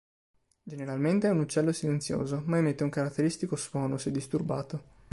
Generalmente è un uccello silenzioso, ma emette un caratteristico suono se disturbato.